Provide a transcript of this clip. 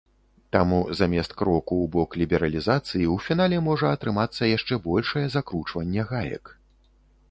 Таму замест кроку ў бок лібералізацыі ў фінале можа атрымацца яшчэ большае закручванне гаек.